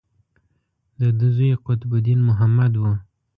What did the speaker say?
د ده زوی قطب الدین محمد و.